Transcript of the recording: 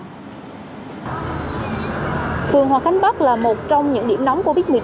phường hòa khánh bắc là một trong những điểm nóng